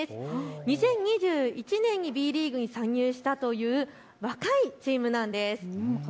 ２０２１年からＢリーグに参入したという若いチームなんです。